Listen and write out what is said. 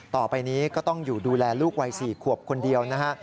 ต่อไปนี้ก็ต้องอยู่ดูแลลูกวัย๔ขวบคนเดียวนะฮะ